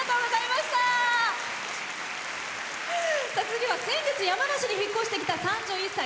次は先月山梨に引っ越してきた３１歳。